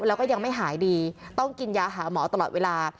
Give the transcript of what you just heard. แล้วก็ยังไม่หายดีต้องกินยาหาหมอตลอดเวลา